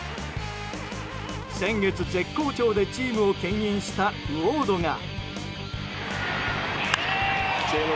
先月、絶好調でチームを牽引したウォードが。